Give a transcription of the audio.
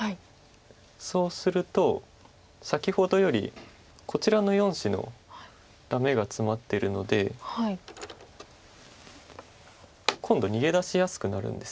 そうすると先ほどよりこちらの４子のダメがツマってるので今度逃げ出しやすくなるんです。